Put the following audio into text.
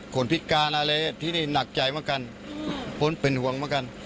คนพิการอะไรที่นี่หนักใจเหมือนกันคนเป็นห่วงเหมือนกัน